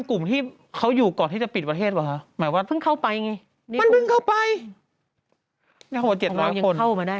นี่ไงเลยครับแฟนถั่วปาปริหรือว่าเป็นกลุ่มที่นี่ว่าคือเกี่ยวกับนรูปศาสตร์